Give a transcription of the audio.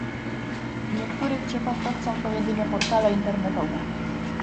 W niektórych przypadkach są to jedynie portale internetowe